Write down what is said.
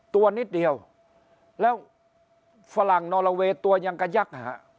ตัวนิดเดียวแล้วฝรั่งนอลลาเวย์ตัวยังกระยักษ์ฮะ